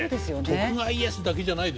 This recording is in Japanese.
徳川家康だけじゃないですよ。